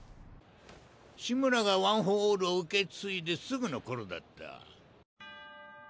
志村がワン・フォー・オールを受け継いですぐの頃だった。